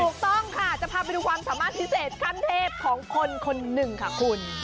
ถูกต้องค่ะจะพาไปดูความสามารถพิเศษขั้นเทพของคนคนหนึ่งค่ะคุณ